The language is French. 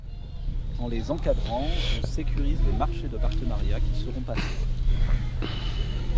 En les encadrant, on sécurise les marchés de partenariats qui seront passés.